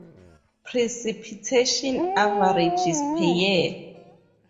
Precipitation averages per year.